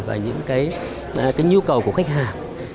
và những nhu cầu của khách hàng